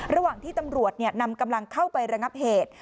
ระหว่างที่ตำรวจนำกำลังเข้าไประงับเหตุ